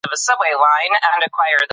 هغوی له پخوا راهیسې په دې سیمه کې اوسېږي.